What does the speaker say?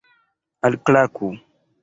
alklaku